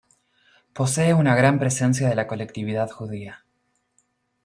Posee una gran presencia de la colectividad judía.